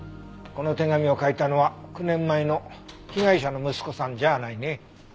この手紙を書いたのは９年前の被害者の息子さんじゃないね。